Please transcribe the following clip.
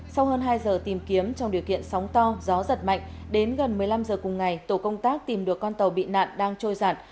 sau hơn hai giờ tìm kiếm trong điều kiện sóng to gió giật mạnh đến gần một mươi năm giờ cùng ngày tổ công tác tìm được con tàu bị nạn đang trôi giản